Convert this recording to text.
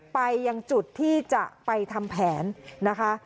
ไปยังจุดที่จะไปทำแผนนะคะ